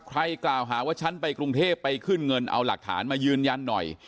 ใครกล่าวหาว่าฉันไปกรุงเทพไปขึ้นเงินเอาหลักฐานมายืนยันหน่อย